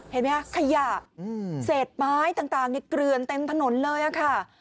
เห็นไหมคะขยะเศษไม้ต่างเกลือนเต็มถนนเลยค่ะ